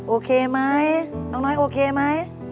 โอเคไหมน้องน้อยโอเคไหม